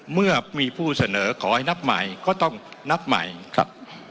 เมื่อมีผู้เสนอขอให้นับใหม่ก็ต้องนับใหม่ครับ